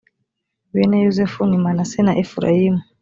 bene yozefu ni manase na efurayimu.